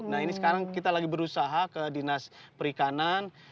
nah ini sekarang kita lagi berusaha ke dinas perikanan